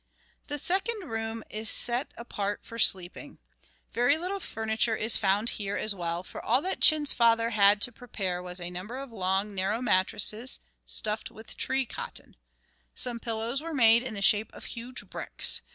The second room is that set apart for sleeping. Very little furniture is found here, as well, for all that Chin's father had to prepare was a number of long, narrow mattresses, stuffed with tree cotton. Some pillows were made in the shape of huge bricks.